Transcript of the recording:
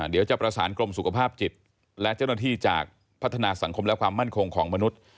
เดี๋ยวจะประสานกรมสุขภาพจิตและเจ้าหน้าที่จากพัฒนาสังคมและความมั่นคงของมนุษย์